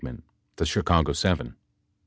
The Chicago Seven. P.